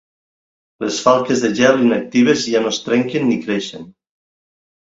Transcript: Les falques de gel inactives ja no es trenquen ni creixen.